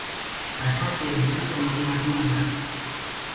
หาข้าวกิน นั่งตรงนี้มาทังวันละ